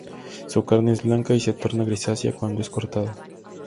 Su carne es blanca, y se torna grisácea cuando es cortada.